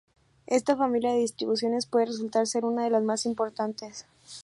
Esta familia de distribuciones puede resultar ser una de lo más importantes.